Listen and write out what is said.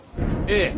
ええ。